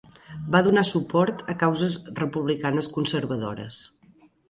Va donar suport a causes republicanes conservadores.